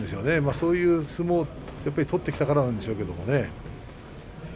そういう相撲を取ってきたからなんでしょうけれど。